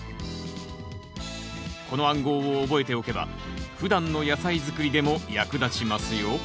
この暗号を覚えておけばふだんの野菜作りでも役立ちますよ